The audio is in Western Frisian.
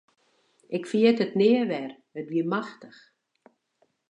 Ik ferjit it nea wer, it wie machtich.